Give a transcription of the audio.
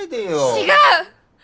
違う！